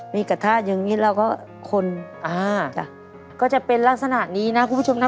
มีกระทาดอย่างงี้แล้วก็คนอ่าก็จะเป็นลักษณะนี้น่ะคุณผู้ชมน่ะ